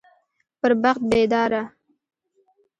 پر بخت بيداره